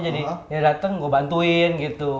jadi dari dateng gue bantuin gitu